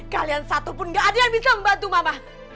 kalian satu pun tidak ada yang bisa membantu mama